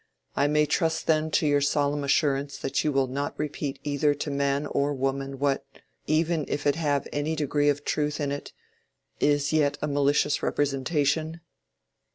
"I may trust then to your solemn assurance that you will not repeat either to man or woman what—even if it have any degree of truth in it—is yet a malicious representation?"